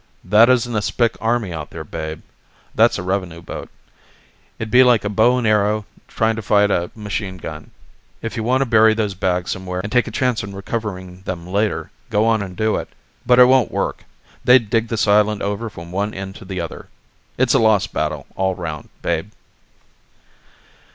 "That isn't a Spic army out there, Babe. That's a revenue boat. It'd be like a bow and arrow trying to fight a machine gun. If you want to bury those bags somewhere and take a chance on recovering them later, go on and do it. But it won't work they'd dig this island over from one end to the other. It's a lost battle all round, Babe."